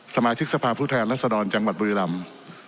สมาธิกษภาพื้นแทนลักษณะจังหวัดบริรัมน์